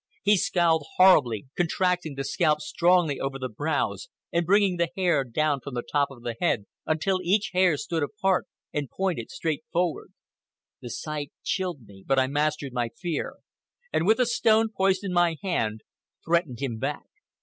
He scowled horribly, contracting the scalp strongly over the brows and bringing the hair down from the top of the head until each hair stood apart and pointed straight forward. The sight chilled me, but I mastered my fear, and, with a stone poised in my hand, threatened him back.